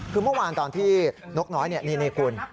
คือเมื่อวานตอนที่นกน้อยนี่คุณ